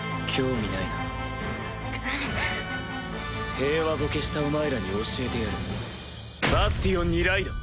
平和ボケしたお前らに教えてやるバスティオンにライド！